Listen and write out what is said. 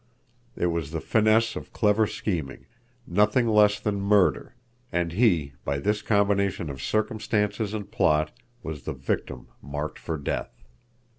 It was the finesse of clever scheming, nothing less than murder, and he, by this combination of circumstances and plot, was the victim marked for death.